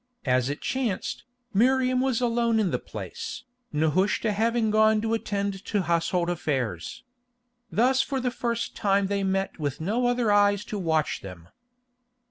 As it chanced, Miriam was alone in the place, Nehushta having gone to attend to household affairs. Thus for the first time they met with no other eyes to watch them.